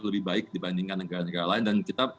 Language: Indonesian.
lebih baik dibandingkan negara negara lain dan kita